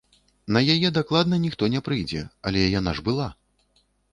На яе дакладна ніхто не прыйдзе, але яна ж была!